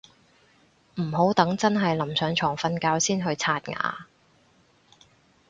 唔好等真係臨上床瞓覺先去刷牙